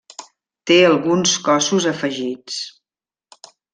Té alguns cossos afegits.